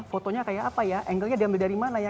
fotonya kayak apa ya anglenya diambil dari mana ya